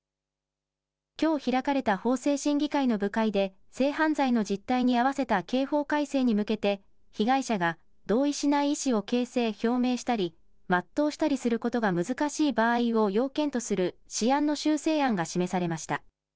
きょう開かれた法制審議会の部会で性犯罪の実態に合わせた刑法改正に向けて被害者が同意しない意思を形成・表明したり全うしたりすることが難しい場合を要件とする試案の修正案が示されました。